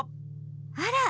あら！